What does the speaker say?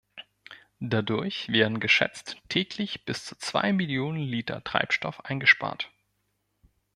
Dadurch werden geschätzt täglich bis zu zwei Millionen Liter Treibstoff eingespart.